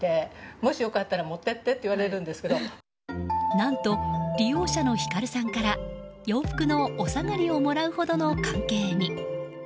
何と、利用者のひかるさんから洋服のお下がりをもらうほどの関係に。